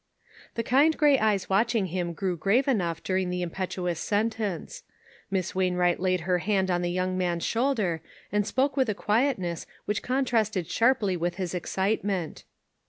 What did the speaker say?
The kind gray eyes watching him grew grave enough during the impetuous sentence. Miss Wainwright laid her hand on the young man's shoulder, and spoke with a quietness which contrasted strongly with his excitement.